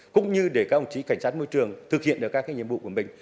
cũng như để các ông chí cảnh sát môi trường thực hiện được các nhiệm vụ của mình